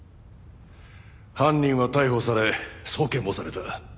犯人は逮捕され送検もされた。